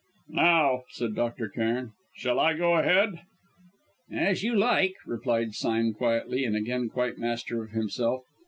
"Now," said Dr. Cairn, "shall I go ahead?" "As you like," replied Sime quietly, and again quite master of himself.